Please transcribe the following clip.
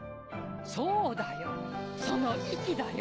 そうだよその意気だよ！